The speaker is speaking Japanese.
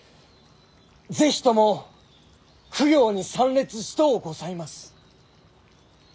是非とも供養に参列しとうございます。